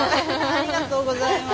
ありがとうございます。